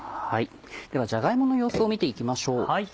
ではじゃが芋の様子を見て行きましょう。